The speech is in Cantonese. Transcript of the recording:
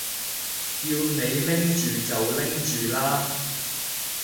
叫你拎住就拎住啦